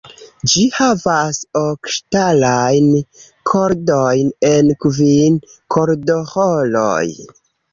Ĝi havas ok ŝtalajn kordojn en kvin kordoĥoroj.